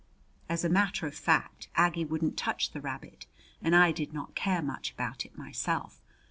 As a matter of fact Aggie wouldn't touch the rabbit and I did not care much about it myself.